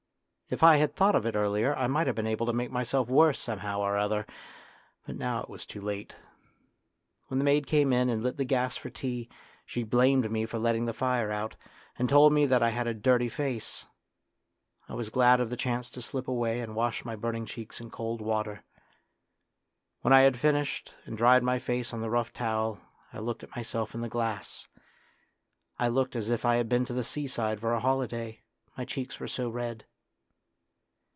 If I had thought of it earlier I might have been able to make myself worse somehow or other, but now it was too late. When the maid came in and lit the gas for tea she blamed me for letting the fire out, and told me that I had a dirty face. I was glad of the chance to slip away and wash my burning cheeks in cold water. When I had finished and dried my face on the rough towel I looked at myself in the glass. I looked as if I had been to the seaside for a holiday, my cheeks were so red!